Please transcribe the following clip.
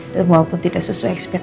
dan maupun tidak sesuai ekspetasi